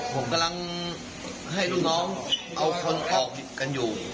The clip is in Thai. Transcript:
ผมกำลังให้ลูกน้องเอาคนออกกันอยู่